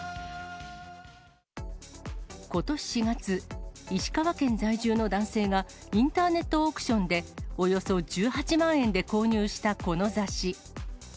ことし４月、石川県在住の男性がインターネットオークションでおよそ１８万円で購入したこの雑誌。